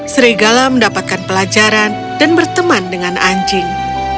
serigala mendapatkan pelajaran dan berteman dengan anjing